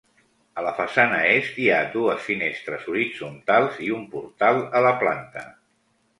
A la façana est hi ha dues finestres horitzontals i un portal a la planta.